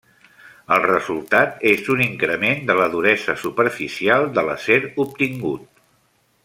El resultat és un increment de la duresa superficial de l'acer obtingut.